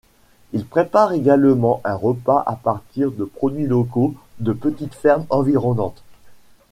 Il prépare également un repas à partir de produits locaux de petites fermes environnantes.